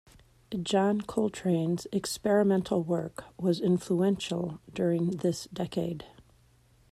John Coltrane's experimental work was influential during this decade.